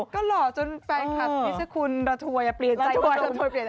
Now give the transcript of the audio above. ก็หล่อจนแฟนคลับนิจฉะคุณระทวยเปลี่ยนใจมาส่งพี่เคน